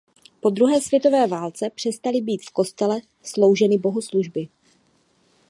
Po druhé světové válce přestaly být v kostele slouženy bohoslužby.